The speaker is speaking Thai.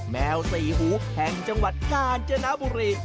แมวสี่หูแห่งจังหวัดกาญจนบุรี